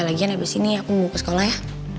lagian habis ini ya aku mau ke sekolah ya